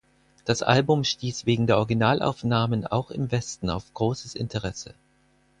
Das Album stieß wegen der Originalaufnahmen auch im Westen auf großes Interesse.